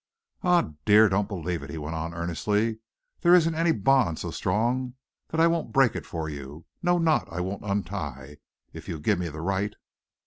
"Ah! dear, don't believe it," he went on earnestly. "There isn't any bond so strong that I won't break it for you, no knot I won't untie, if you give me the right."